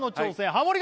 ハモリ